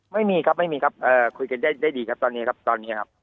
ไม่มีครับไม่มีครับคุยกันได้ดีครับตอนนี้ครับตอนนี้ครับ